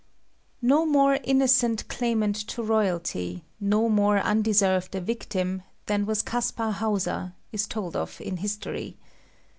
No more innocent claimant to royalty, nor more undeserved a victim, than was Caspar Hauser, is told of in history.